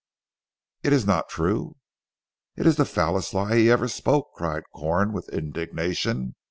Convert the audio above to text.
"It is not true?" "It is the foulest lie he ever spoke!" cried Corn with indignation.